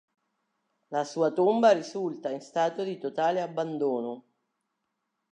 La sua tomba risulta in stato di totale abbandono.